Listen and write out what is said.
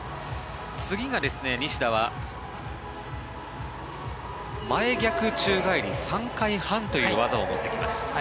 次が西田は前逆宙返り３回半という技を持ってきます。